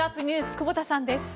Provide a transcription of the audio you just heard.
久保田さんです。